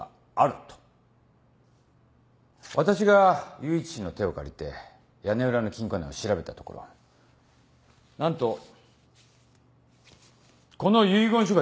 私が雄一氏の手を借りて屋根裏の金庫内を調べたところ何とこの遺言書が出てきたんです。